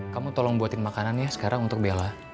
kamu tolong buatin makanan ya sekarang untuk bella